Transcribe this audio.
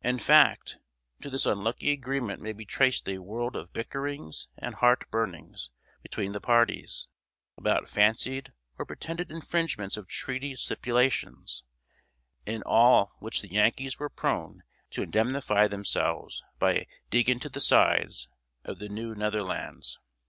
In fact, to this unlucky agreement may be traced a world of bickerings and heart burnings between the parties, about fancied or pretended infringements of treaty stipulations; in all which the Yankees were prone to indemnify themselves by a "dig into the sides" of the New Netherlands.